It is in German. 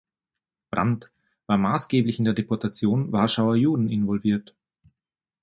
Brandt war maßgeblich in die Deportation Warschauer Juden involviert.